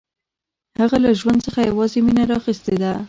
هغه له ژوند څخه یوازې مینه راخیستې ده